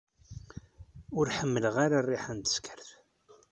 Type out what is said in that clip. Ur ḥemmleɣ ara rriḥa n teskert.